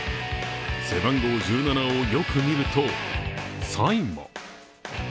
背番号１７をよく見るとサインも。